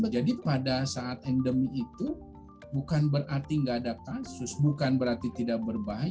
pada saat endemi itu bukan berarti nggak ada kasus bukan berarti tidak berbahaya